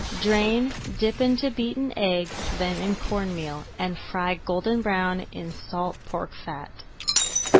Drain, dip into beaten egg, then in corn meal, and fry golden brown in salt pork fat.